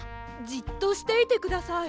じっとしていてください。